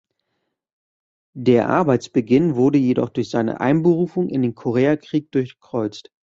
Der Arbeitsbeginn wurde jedoch durch seine Einberufung in den Koreakrieg durchkreuzt.